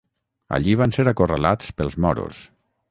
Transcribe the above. Allí van ser acorralats pels moros.